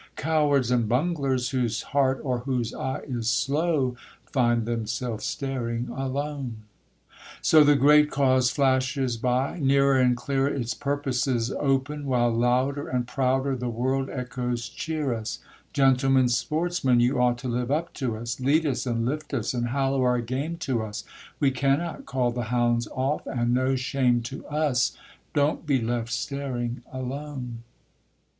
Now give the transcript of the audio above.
Cowards and bunglers, whose heart or whose eye is slow, Find themselves staring alone. So the great cause flashes by; Nearer and clearer its purposes open, While louder and prouder the world echoes cheer us: Gentlemen sportsmen, you ought to live up to us, Lead us, and lift us, and hallo our game to us We cannot call the hounds off, and no shame to us Don't be left staring alone!